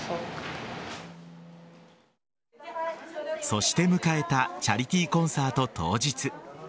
そして迎えたチャリティーコンサート当日。